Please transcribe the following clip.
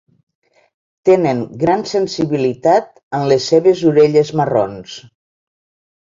Tenen gran sensibilitat en les seves orelles marrons.